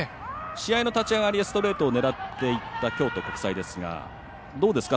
試合の立ち上がりストレートを狙っていった京都国際ですがどうですか？